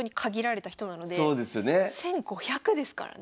１，５００ですからね。